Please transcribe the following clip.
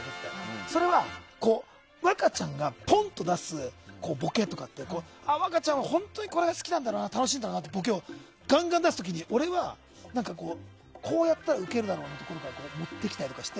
それは若ちゃんがぽんっと出すボケとかって若ちゃんは本当に好きなんだな楽しいんだなっていうボケをガンガン出す時に俺は、こうやったらウケるだろうっていうのを持ってきたりして。